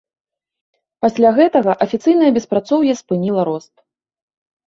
Пасля гэтага афіцыйнае беспрацоўе спыніла рост.